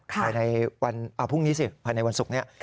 ภายในวันพรุ่งนี้สิภายในวันศุกร์นี้